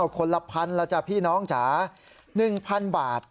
คนละพันแล้วจ้ะพี่น้องจ๋า๑๐๐๐บาท